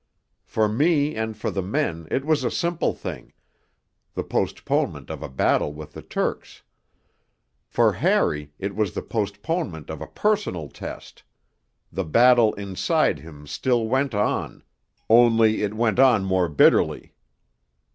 For me and for the men it was a simple thing the postponement of a battle with the Turks; for Harry it was the postponement of a personal test: the battle inside him still went on; only it went on more bitterly.